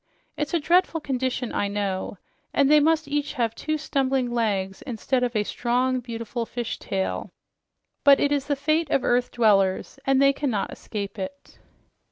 It's a dreadful condition, I know, and they must each have two stumbling legs instead of a strong, beautiful fish tail, but it is the fate of earth dwellers, and they cannot escape it."